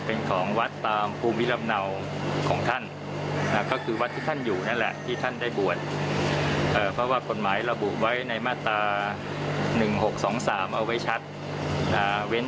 เว้นแต่ท่านทำพินัยกรรมไว้ตามไม่ได้ชุดฐาน